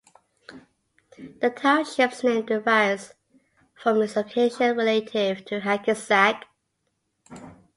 The township's name derives from its location relative to Hackensack.